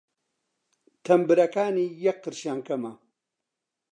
تەمبرەکانی یەک قرشیان کەمە!